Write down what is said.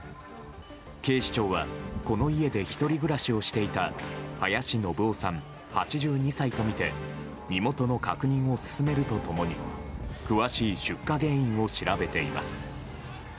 警視庁はこの家で１人暮らしをしていた林信男さん、８２歳とみて身元の確認を進めると共に詳しい出火原因を調べています。